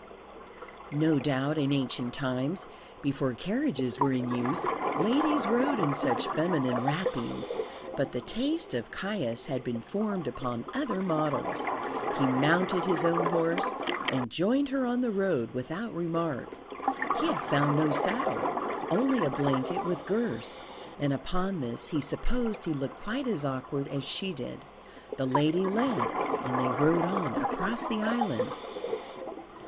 No doubt in ancient times, before carriages were in use, ladies rode in such feminine wrappings; but the taste of Caius had been formed upon other models. He mounted his own horse and joined her on the road without remark. He had found no saddle, only a blanket with girths, and upon this he supposed he looked quite as awkward as she did. The lady led, and they rode on across the island.